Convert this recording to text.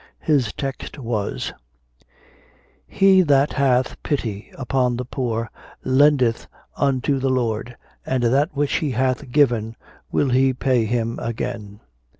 His text was, "He that hath pity upon the poor lendeth unto the Lord, and that which he hath given will he pay him again."